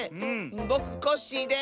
ぼくコッシーです！